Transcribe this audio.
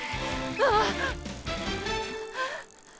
ああ！